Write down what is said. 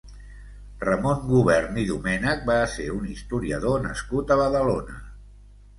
Ramon Gubern i Domènech va ser un historiador nascut a Badalona.